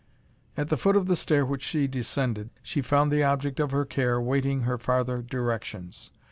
At the foot of the stair which she descended, she found the object of her care waiting her farther directions.